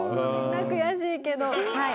悔しいけどはい。